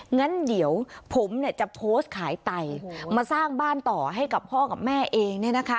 งั้นเดี๋ยวผมจะโพสต์ขายไตมาสร้างบ้านต่อให้กับพ่อกับแม่เอง